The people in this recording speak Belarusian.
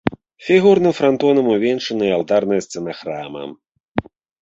Фігурным франтонам увенчана і алтарная сцяна храма.